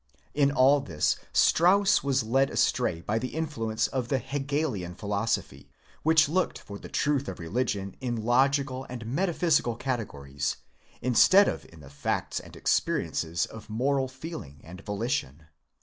In all this Strauss was led astray by the influence of the Hegelian philosophy, which looked for the truth of religion in logical and metaphysical categories instead of in the facts and experiences of moral feeling and volition.